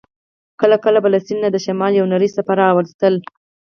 کله کله به له سیند نه د شمال یوه نرۍ څپه را الوته.